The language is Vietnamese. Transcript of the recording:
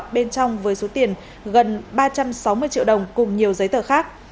bên trong với số tiền gần ba trăm sáu mươi triệu đồng cùng nhiều giấy tờ khác